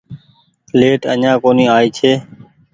ليٽ اڃآن ڪونيٚ آئي ڇي